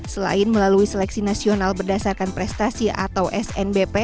selain melalui seleksi nasional berdasarkan prestasi atau snbp